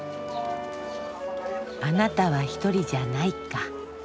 「あなたは一人じゃない」か。